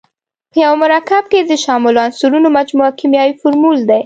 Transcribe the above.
په یو مرکب کې د شاملو عنصرونو مجموعه کیمیاوي فورمول دی.